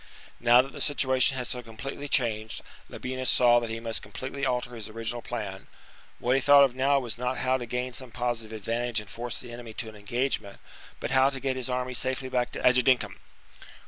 Now that the situation had so completely changed, Labienus saw that he must completely alter his original plan : what he thought of now was not how to gain some positive advantage and force the enemy to an engagement, but how to get his army safely back to Agedincum.